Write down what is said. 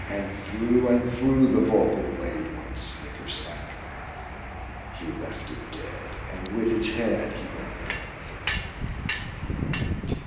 And through, and through The vorpal blade went snicker snack! He left it dead, and with its head He went galumphing back.